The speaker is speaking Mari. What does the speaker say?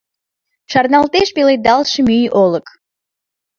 Шарналтеш пеледалтше мӱй олык